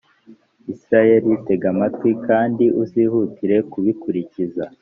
israheli, tega amatwi kandi uzihatire kubikurikiza,